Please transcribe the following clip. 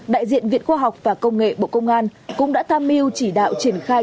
đại diện viện khoa học và công nghệ bộ công an cũng đã tham mưu chỉ đạo triển khai